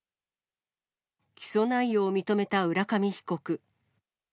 起訴内容を認めた浦上被告。